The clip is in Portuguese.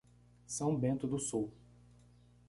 São Bento do Sul